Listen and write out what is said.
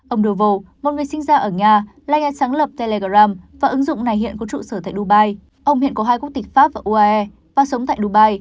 ông dovol một người sinh ra ở nga là nhà sáng lập telegram và ứng dụng này hiện có trụ sở tại dubai ông hiện có hai quốc tịch pháp và uae và sống tại dubai